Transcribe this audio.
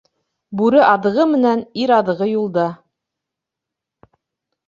Бүре аҙығы менән ир аҙығы юлда.